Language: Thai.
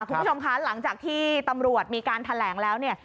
คุณผู้ชมคะหลังจากที่ตำรวจมีการแถลงแล้วเนี่ย